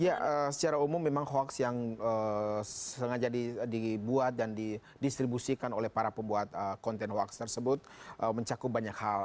ya secara umum memang hoax yang sengaja dibuat dan didistribusikan oleh para pembuat konten hoax tersebut mencakup banyak hal